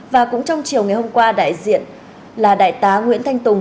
và cũng trong chiều ngày hôm qua đại diện là đại tá nguyễn thanh tùng